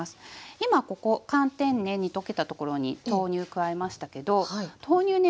今ここ寒天ね煮溶けたところに豆乳加えましたけど豆乳ね